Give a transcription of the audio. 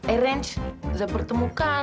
arrange saya pertemukan